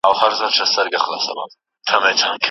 ایا د څيړني پلان مهم دی؟